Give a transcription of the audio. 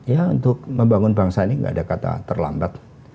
ya untuk membangun bangsa ini gak ada kata terlambat